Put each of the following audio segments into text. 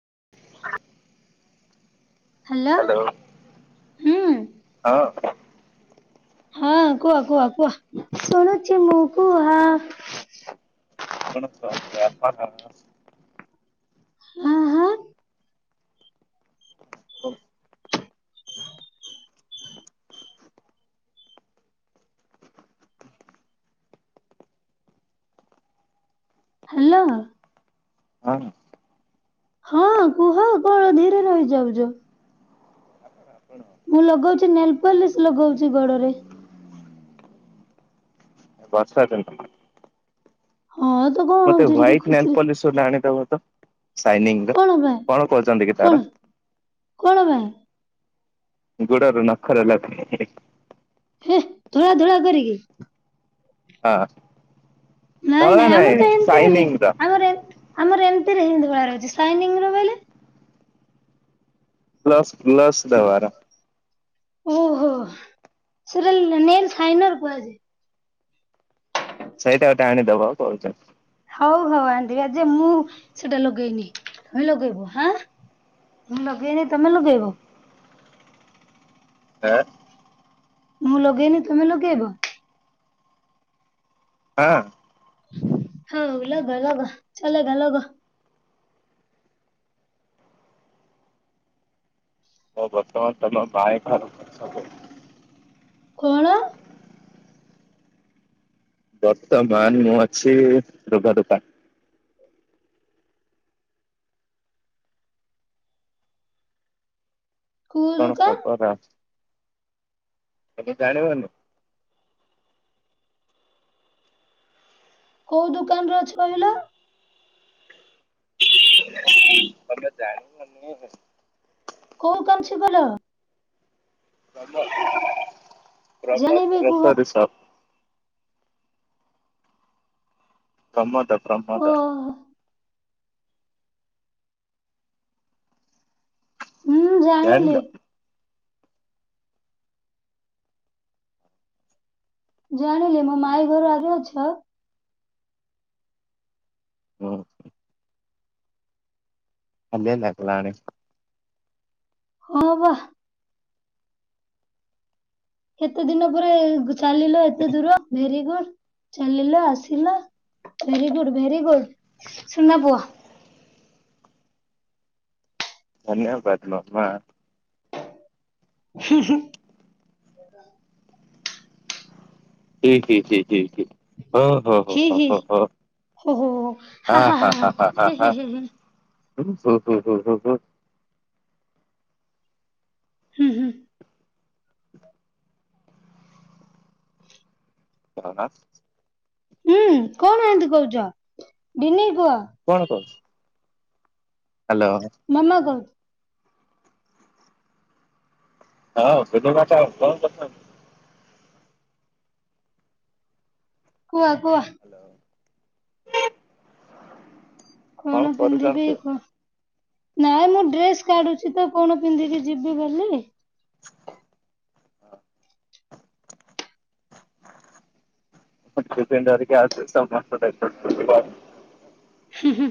[inaudible] Hello hello ହୁଁ। ହଁ ହଁ କୁହ କୁହ କୁହ ଶୁଣୁଚି ମୁଁ କୁହ। [unintelligible] ହାଁ ହାଁ। ହଉ। ହାଲୋ। ହଁ ହଁ କୁହ କଣ ଧୀରେ ରହିଯାଉଚ। ମୁଁ ଲଗଉଚି ନେଲପଲିସ୍ ଲଗଉଚି ଗୋଡରେ। ବର୍ଷା କେମତି ହଉଚି? ହଁ ତ କଣ ମତେ ହଉଛି ଟିକେ ‌ହ୍ୱାଇଟ୍ ଖୁସିରେ ନେଲପଲିସ ଗୋଟେ ଆଣିଦବ ତ। ସାଇନିଂ ର କଣ ପାଇଁ କଣ କହୁଚନ୍ତି କି ତାର କଣ କଣ ଗାଁ ଗୋଡ଼ରୁ ନଖରେ ଲଗେଇ ଯିବି। ହେ ଧଳା ଧଳା କରିକି। ହଁ। ନାଇଁ ଧଳା ନାଇଁ ଆମର ତ ଏମିତିରେ ହି ସାଇନିଂ ର ଆମର ଆମର ଏମ୍ ଏମତିରେ ହିଁ ଧଳା ର ଅଛି ଶାଇନିଂ ର ବାଇଲେ ପ୍ଲସ୍ ପ୍ଲସ ଦେବାର ଓହୋ ସେଟା ନେଲ୍ ଫାଇନାଲ କୁହାଯାଏ। ସେଇଟା ଗୋଟେ ଆଣିଦବ କହୁଛନ ହଉ ହଉ ଆଣି ଦେବି ଆଜି ମୁଁ ସେଟା ଲଗେଇନି ତୁମେ ଲଗେଇବ ହାଁ ମୁଁ ଲଗେଇନି ତମେ ଲଗେଇବ? [unintelligible] ହେଁ ମୁଁ ଲଗେଇନି ତମେ ଲଗେଇବ? ହଁ ହଉ ଲଗ ଲଗ ଚାଲେଗା ଲଗ ହଁ ବର୍ତ୍ତମାନ ତମ ଭାଇ [unintelligible] ସବୁ କଣ? ବର୍ତ୍ତମାନ ମୁଁ ଅଛି ଲୁଗା ଦୋକାନ କୋଉ କଣ ଦୋକାନ ଖବର ଆ ଏବେ ଜାଣିବନି କୋଉ ଦୁକାନରେ ଅଛ ବଇଲ? [unintelligible] ଜାଣି [unintelligible] କୋଉ [unintelligible] ଭଲ ପ୍ରମୋଦ ପ୍ରମୋଦ ଜାଣିବି କୁହ ଗ୍ରୋସୋରୀ ସପ୍ ପ୍ରମୋଦ ପ୍ରମୋଦ ଓହୋ ହୁଁ ଜାଣିଲ ଜାଣିଲି ଜାଣିିଲେ ମୋ ମାଇଁ ଘରୁ ଆଗ ଅଛ ହୁଁ [unintelligible] ହଁ ବା କେତେ ଦିନ ପରେ ଚାଲିଲ ଏତେ ଦୂର ଭେରି ଗୁଡ ଚାଲିଲ ଆସିଲ ଭେରିଗୁଡ ଭେରିଗୁଡ ସୁନା ପୁହ [inaudible] ଧନ୍ୟବାଦ ଲୋ ମା ହୁଁ ହୁଁ ହି ହି ହି ହଁ ହଁ ହଁ ହଁ ହ ହ ହ ହା ହା ହା ହେ ହେ ହେ ହ ହ ହ ହ ହ ହ ହୁଁ ହୁଁ [unintelligible] ହୁଁ କଣ ଏନ୍ତି କହୁଛ ବିନି କଣ କହୁ ନମଃ କର ହଁ [unintelligible] କୁହ କୁହ ହ୍ୟାଲୋ। କଣ ପିନ୍ଧିବି କ ନାଇଁ ମୁଁ ଡ୍ରେସ କାଢୁଛି ତ କଣ ପିନ୍ଧିକି ଯିବି ବୋଲି [unintelligible] [unintelligible] ହୁଁ ହୁଁ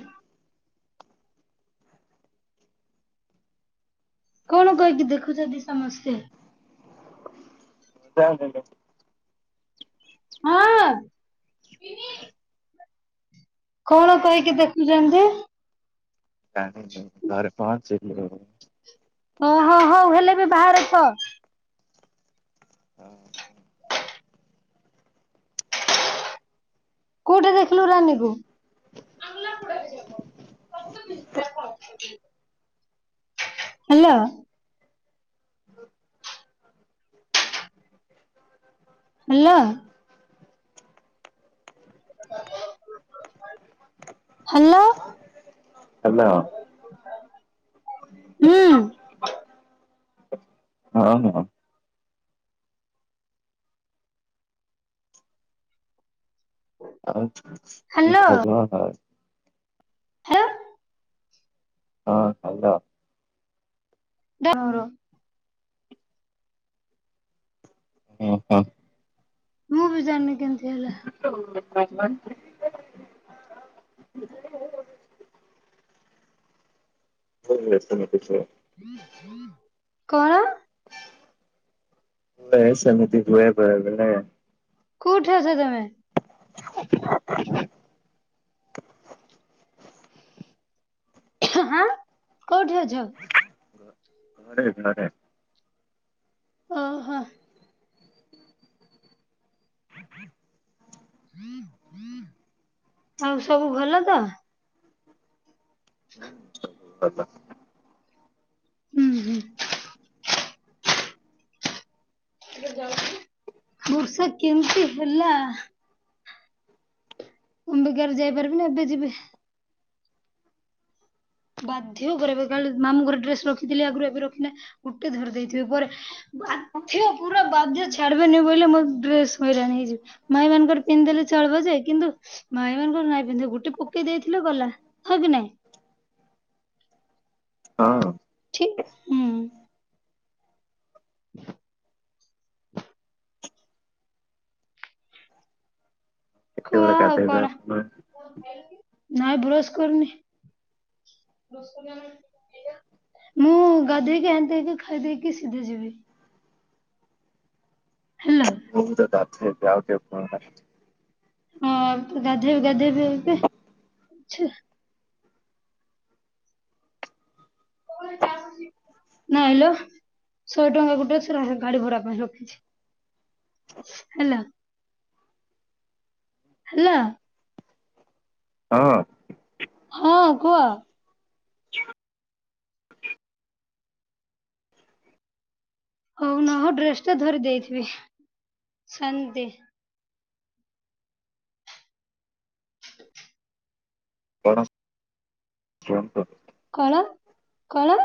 କଣ କହିକି ଦେଖୁଛନ୍ତି ସମସ୍ତେ [unintelligible] ହଁ ହିଁ କଣ ପାଇଁ କି ଦେଖୁଛନ୍ତି? ନାଇଁ ଘରେ ପହଞ୍ଚି ନି ହଁ ହଁ ହଁ ହେଲେ ଏବେ ବାହାରେ କ ହଁ। କୋଉଠି ଦେଖିଲୁ ରାନୀ କୁ? ହେଲା। Hello hello. ହୁଁ। ହଁ ହଁ। ଆଉ କି ହାଲୋ ଖବର ହ? [unintelligible] ହଁ ହଲ। ଧର। ହୁଁ ହୁଁ। ମୁଁ ବି ଜାଣିନି କେମତି ହେଲା? [unintelligible] [unintelligible] କଣ? ବେ ସେମିତି ହୁଏ ବେଳେ ବେଲେ। କଉଠଛ ତମେ? ହଁ କୋଉଠି ଅଛ? ଗଡ଼େ ଗଡେ। ଓ ହୋ। ହ ଆଉ ସବୁ ଭଲ ତ। [unintelligible] ହୁଁ ହୁଁ। ବୃଷା କେମିତି ହେଲା? ମୁମ୍ବିକାରୁ ଯାଇପାରିବିନି ଏବେ ଯିବେ। ବାଧ୍ୟ କର କାଲି ମାମୁଙ୍କର ଡ୍ରେସ ରଖିଥିଲି ଆଗରୁ ଏବେ ରଖିଲେ ଗୋଟେ ଧରି ଦେଇେଥିବେ ପରେ ଆଥିବ ପୁରା ବାଧ୍ୟ ଛାଡିବନି ବୋଇଲେ ମୋ ଡ୍ରେସ ହଇରାଣି ହେଇଯିବ ମାଇ ମାନଙ୍କର ପିନ୍ଧେଲେ ଚଳି ବ ଯେ କିନ୍ତୁ ମାଇ ମାନଙ୍କର ନାଇଁ ପିନ୍ଧିବ ଗୋଟେ ପକେଇ ଦେଇଥିଲ ଗଲା ହଉ କି ନାଇଁ? ହଁ। ଠିକ ହୁଁ। ହ କୁଆ କେତେବେଳେ ଆଉ ଗାଧେଇବେ କଣ ଆପଣ? ନାଇଁ ଭ୍ରସ କରୁନି। ବସ୍ ମୁଁ ଗାଧେଇକି ଆଣିତି ହେଇକି ଖାଇ ଦେଇେକି ସିଧେ ଯିବି। ହେଲା। ବହୁ ତ ତା ଯାଉ କେ କଣ? ହଁ ଗାଧେ ବି ଗାଧେ ବି ଛା। ନାଇ ଲୋ। ଶହେ ଟଙ୍କା ଗୋଟେ ଶହ ଟଙ୍କା ଗାଡି ଭଡା ପାଇଁ ରଖିଛି ହେଲା। ହେଲା। ହଁ। ହଁ କୁହ। ହଉ ନ ହଉ ଡ୍ରେସ ଟା ଧରି ଦେଇଥିବି ସେନ୍ତି। [unintelligible] କଳା କଳା।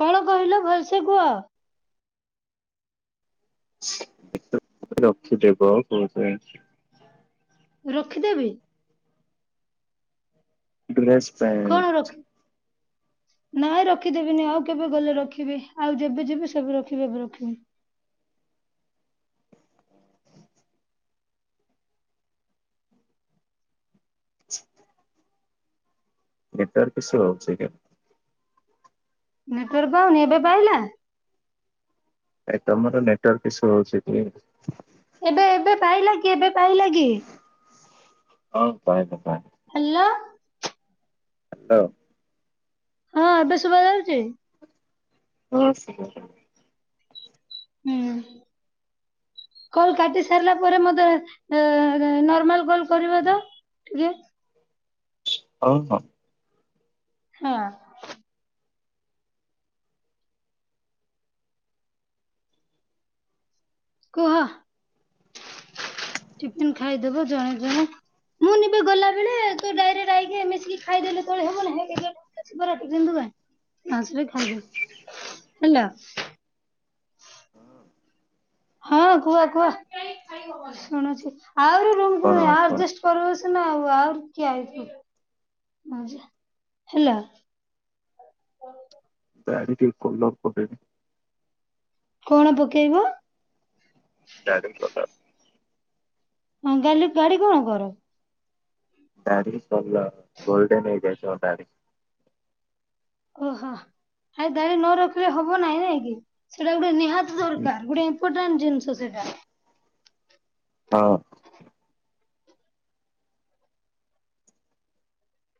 କଣ କହିଲ ଭଲସେ କୁହ? ରଖିଦବ କଉ ପାଇଁ? ରଖିଦେବି। ଡ୍ରେସ କଣ ପେଣ୍ଟ। ରଖି ନାଇଁ ରଖିଦେବିନି ଆଉ କେବେ ଗଲେ ରଖିବି ଆଉ ଯେବେ ଯିବି ସେବେ ରଖିବି ଏବେ ରଖିବି। ନେଟୱର୍କ ଇସୁ ରହୁଛି କି? ନେଟୱର୍କ ପାଉନି ଏବେ ପାଇଲା। ଏ ତମର ନେଟୱାର୍କ ଇସୁ ହଉଛି କି? ଏବେ ଏବେ ପାଇଲା କି ଏବେ ପାଇଲା କି? ହଁ ପାଇଲା ପା ହାଲୋ। ହାଲୋ। ହଁ ଏଵେ ଶୁଭା ଯାଉଛି। ହଁ ଶୁଭା କଲ କାଟି ସାରିଲା ପରେ ମତେ ଏଁ ନର୍ମାଲ କଲ କରିବ ତ? ଟିକେ ହଁ ହଁ। ହଁ। କୁହ। [inaudible] ଚିକେନ ଖାଇଦବ ଜଣେ ଜଣେ। ମୁଁ ନିବ ଗଲା ବେଳେ ତୁ ଡାଇରେକଟ ଆଇକି ମିଶିକି ଖାଇଦେଲେ [unintelligible] ଆସିଲେ ଖାଇଦେବେ ହେଲା। ହଁ [inaudible] ହଁ କୁହ କୁହ ଶୁଣୁଛି ଆହୁରି ରୁମ କୁ କଣ ନିଅ ଆପଣ [unintelligible] [unintelligible] ହଁ ଯା ହେଲା। ଦାଢ଼ି ଟିକେ କଲ [unintelligible] କଣ ପକେଇବ? [unintelligible] ହଁ ଗାଲି ଗାଡ଼ି କଣ କର? [unintelligible] ହେଇଯାଇଛି ମୋ ଗାଡି। ଓହୋ ହେ ଦାରି ନ ରଖିଲେ ହବ ନାହିଁ। ନାଇଁ କି ସେଟା ଗୋଟେ ନିହାତି ଦରକାର ଗୋଟେ ଇମ୍ପୋଟାଣ୍ଟ ଜିନିଷ ସେଇଟା। ହଁ।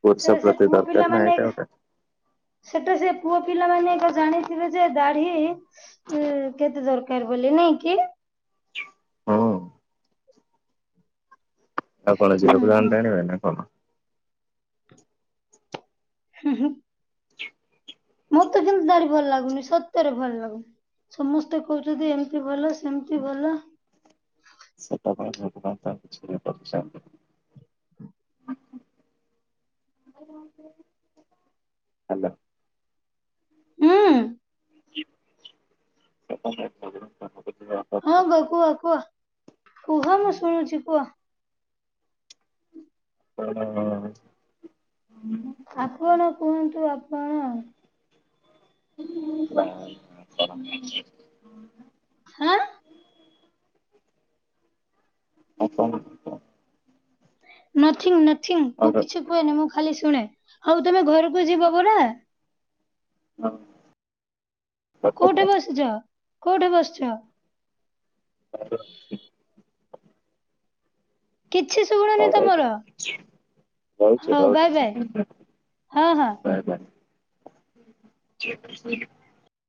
ପୁରୁଷ ସେଟା ସେ ପ୍ରତି ପୁଅ ଦରକାର ନା ପିଲାମାନେ ଏଇଟା ଘା ଗୋଟେ। ସେଟା ସେ ପୁଅ ପିଲାମାନେ ଏକା ଜାଣିଥିବେ ଯେ ଦାଢି ଏଁ କେତେ ଦରକାର ବୋଲି। ଜିନି କି? ହଁ। ଆଉ କଣ ହୁଁ ଜ଼ିରୋ ହୁଁ। ବ୍ରାଣ୍ଡ ଆଣିବା ନା କଣ? ହୁଁ ହୁଁ। ମୋତ ତେ କିନ୍ତୁ ଦାଢ଼ି ଭଲ ଲାଗୁନି ସତରେ ଭଲ ଲାଗୁନି। ସମସ୍ତେ କହୁଛନ୍ତି ଏମତି ଭଲ ସେମିତି ଭଲ। ସେଟା ପାଇଁ [unintelligible] [unintelligible] ହାଲୋ। ହୁଁ। [unintelligible] ହଁ ବେ କୁହ କୁହ କୁହ ମୁଁ ଶୁଣୁଛି କୁହ। [unintelligible] ଆପଣ କୁହନ୍ତୁ ଆପଣ। [unintelligible] ହାଁ? [unintelligible] ନଥିଙ୍ଗ ନଥିଙ୍ଗ ମୁଁ କିଛି କୁହେନି ମୁଁ ଖାଲି ଶୁଣେ ହଉ ତମେ ଘରକ କୁ ଜିବ ପରା? ହଁ। କୋଉଠେ ବସିଚ କୋଉଠେ ବସିଚ? [unintelligible] କିଛି ଶୁୁଣନି ତମର। ରହୁଛି ହଉ ରହୁଛି ବାଏ ବାଏ ହଁ ହଁ। Bye bye. [unintelligible]